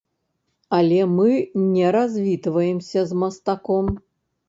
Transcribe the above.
Але мы не развітваемся з мастаком.